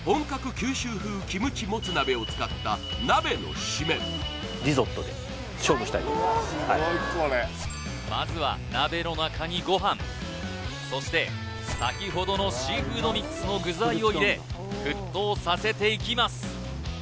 九州風キムチもつ鍋を使ったはいまずは鍋の中にご飯そして先ほどのシーフードミックスの具材を入れ沸騰させていきます